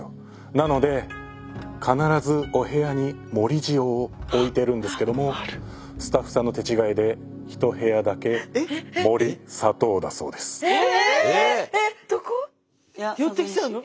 なので必ずお部屋に盛り塩を置いてるんですけどもスタッフさんの手違いで寄ってきちゃうの？